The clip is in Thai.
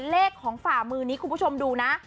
เลขของฝ่ามือนี้คุณผู้ชมดูนะ